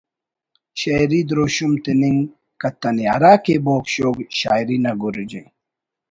شئیری دروشم تننگ کتنے ہرا کہ بوگ شوگ شاعری نا گرج ءِ